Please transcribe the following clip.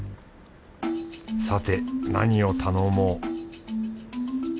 さて何を頼もう